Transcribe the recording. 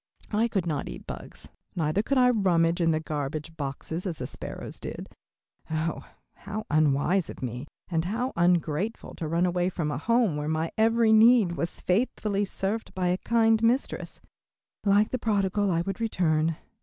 I could not eat bugs, neither could I rummage in the garbage boxes as the sparrows did. Oh, how unwise of me, and how ungrateful to run away from a home where my every need was faithfully served by a kind mistress. Like the prodigal I would return.